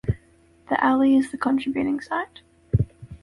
The alley is the contributing site.